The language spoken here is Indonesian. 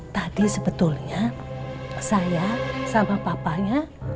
tadi sebetulnya saya sama papanya